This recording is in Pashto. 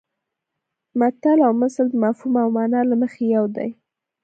متل او مثل د مفهوم او مانا له مخې یو دي